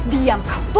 diam kau tutup mulutmu